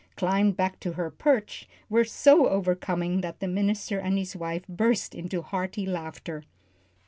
climbed back to her perch, were so overcoming that the minister and his wife burst into hearty laughter.